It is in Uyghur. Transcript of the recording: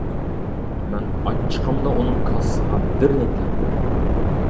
مەن ئاچچىقىمدا ئۇنىڭ كاسىسىغا بىرنى تەپتىم.